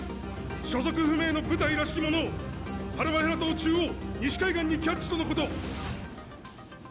所属不明の部隊らしきものをハルマヘラ島中央西海岸にキャッチとのこと。